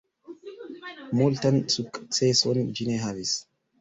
Multan sukceson ĝi ne havis.